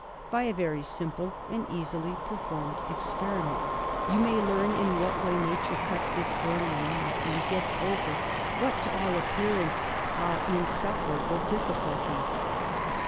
By a very simple and easily performed experiment you may learn in what way Nature cuts this Gordian knot and gets over what, to all appearance, are insuperable difficulties.